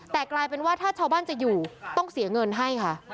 แต่กลายเป็นว่าถ้าชาวบ้านจะอยู่ต้องเสียเงินให้ค่ะ